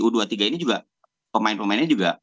u dua puluh tiga ini juga pemain pemainnya juga